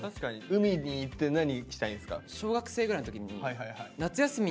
海に行って何したいんですか？